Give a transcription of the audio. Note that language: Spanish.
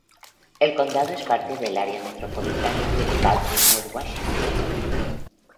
El condado es parte del Área metropolitana de Baltimore-Washington.